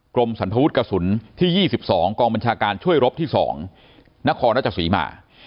กรมสันทวุฒิกระสุนที่๒๒กองบัญชาการช่วยรบที่๒นครราชศรีมา